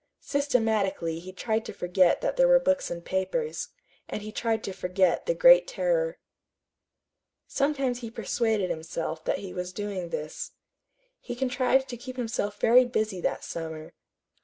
Systematically he tried to forget that there were books and papers and he tried to forget the Great Terror. Sometimes he persuaded himself that he was doing this. He contrived to keep himself very busy that summer.